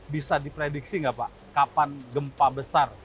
bisa diprediksi nggak pak kapan gempa besar